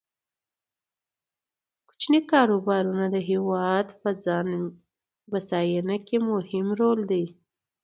کوچني کاروبارونه د هیواد په ځان بسیاینه کې مهم دي.